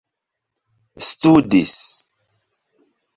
studis